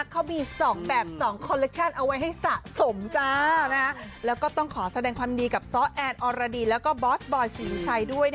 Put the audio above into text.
เนี่ยถามธรรมดานะจ้ะ